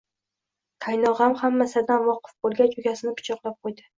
Qaynog'am hamma sirdan voqif bo'lgach, ukasini pichoqlab qo'ydi